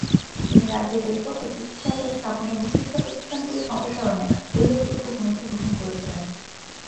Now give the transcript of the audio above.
তিনি রাজ্যে রেলপথ ও চিকিৎসালয় স্থাপনে এবং শিক্ষা প্রতিষ্ঠানগুলির সম্প্রসারণে উল্লেখযোগ্য ভূমিকা গ্রহণ করেছিলেন।